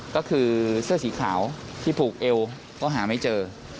ก็คือเสื้อสีขาวที่ผูกเอวก็หาไม่เจอ